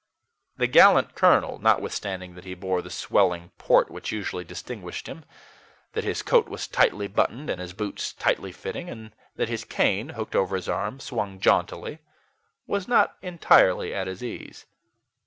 The gallant colonel, notwithstanding that he bore the swelling port which usually distinguished him, that his coat was tightly buttoned and his boots tightly fitting, and that his cane, hooked over his arm, swung jauntily, was not entirely at his ease.